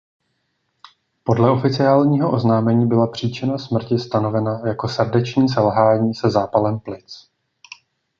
Podle oficiálního oznámení byla příčina smrti stanovena jako srdeční selhání se zápalem plic.